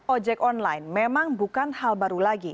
ojek online memang bukan hal baru lagi